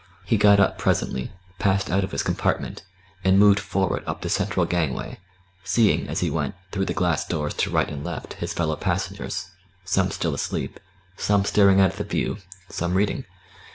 He got up presently, passed out of his compartment, and moved forward up the central gangway, seeing, as he went, through the glass doors to right and left his fellow passengers, some still asleep, some staring out at the view, some reading.